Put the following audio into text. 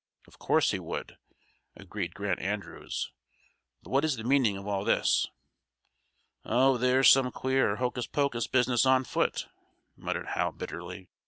"Of course he would," agreed Grant Andrews. "But what is the meaning of all this?" "Oh, there's some queer, hocus pocus business on foot," muttered Hal, bitterly.